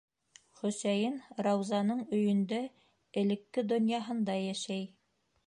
Хөсәйен Раузаның өйөндә, элекке донъяһында йәшәй.